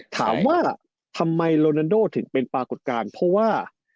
ถามว่าทำไมโรนันโดถึงเป็นปรากฏการณ์เพราะว่า